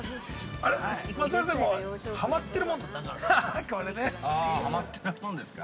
まさのりさんはまってるものって何かあるんですか。